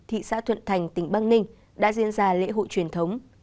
thị xã thuận thành tỉnh băng ninh đã diễn ra lễ hội truyền thống